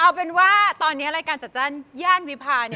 เอาเป็นว่าตอนนี้รายการจัดจ้านย่านวิพา